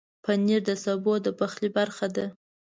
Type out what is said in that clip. پنېر د سبو د پخلي برخه ده.